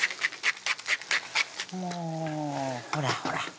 もうほらほら